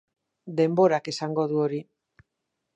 Denborak esango du hori.